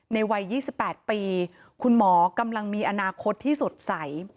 วัย๒๘ปีคุณหมอกำลังมีอนาคตที่สดใส